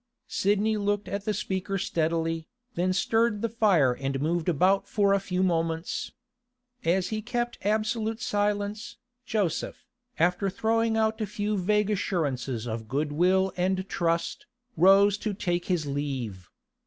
Sidney looked at the speaker steadily, then stirred the fire and moved about for a few moments. As he kept absolute silence, Joseph, after throwing out a few vague assurances of goodwill and trust, rose to take his leave.